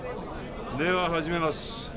では始めます